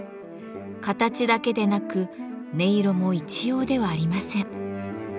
形だけでなく音色も一様ではありません。